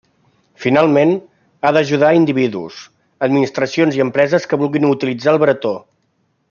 Finalment, ha d'ajudar a individus, administracions i empreses que vulguin utilitzar el bretó.